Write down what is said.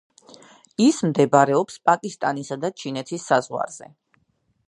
ის მდებარეობს პაკისტანისა და ჩინეთის საზღვარზე.